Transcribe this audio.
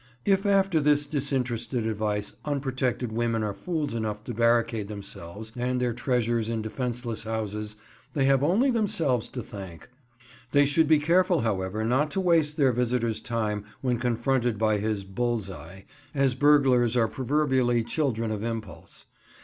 If after this disinterested advice unprotected women are fools enough to barricade themselves and their treasures in defenceless houses, they have only themselves to thank. They should be careful, however, not to waste their visitor's time when confronted by his "bull's eye," as burglars are proverbially children of impulse.